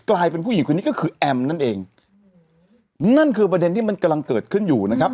กลายเป็นผู้หญิงคนนี้ก็คือแอมนั่นเองนั่นคือประเด็นที่มันกำลังเกิดขึ้นอยู่นะครับ